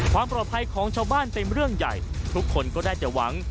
ความปลอดภัยของชาวบ้านเป็นเรื่องใหญ่ทุกคนก็ได้แต่หวัง